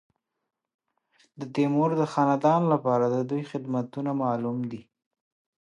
د تیمور د خاندان لپاره د دوی خدمتونه معلوم دي.